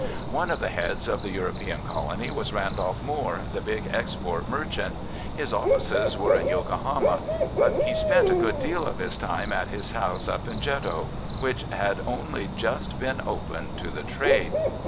"One of the heads of the European colony was Randolph Moore, the big export merchant. His offices were in Yokohama, but he spent a good deal of his time at his house up in Jeddo, which had only just been opened to the trade.